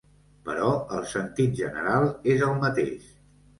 Però el sentit general és el mateix.